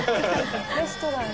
「レストランに」